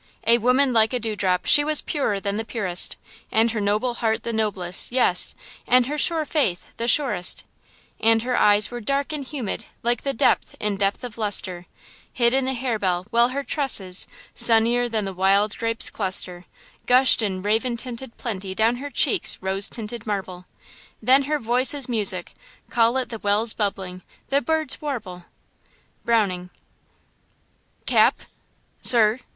A woman like a dew drop she was purer than the purest, And her noble heart the noblest, yes, and her sure faith the surest; And her eyes were dark and humid like the depth in depth of lustre Hid i' the harebell, while her tresses, sunnier than the wild grape's cluster, Gushed in raven tinted plenty down her cheeks' rose tinted marble; Then her voice's music–call it the well's bubbling, the bird's warble. –BROWNING. "CAP?" "Sir?"